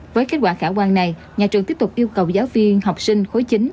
với kết quả khả quan này nhà trường tiếp tục yêu cầu giáo viên học sinh khối chín